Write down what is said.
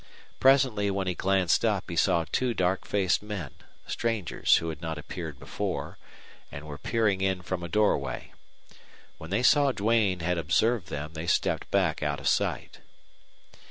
Presently when he glanced up he saw two dark faced men, strangers who had not appeared before, and were peering in from a doorway. When they saw Duane had observed them they stepped back out of sight.